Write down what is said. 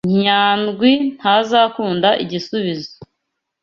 Nyandwi ntazakunda igisubizo.